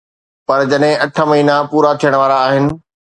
پر جڏهن اٺ مهينا پورا ٿيڻ وارا آهن.